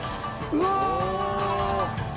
うわ！